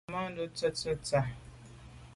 Nzwimàntô tsho’te ntsha.